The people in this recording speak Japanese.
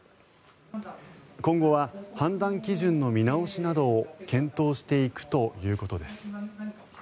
今後は判断基準の見直しなどを検討していくということです。